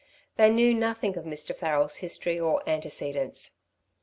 They knew nothing of Mr. Farrel's history or antecedents.